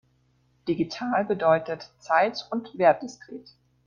Digital bedeutet zeit- und wertdiskret.